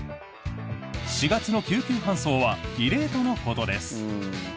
４月の救急搬送は異例とのことです。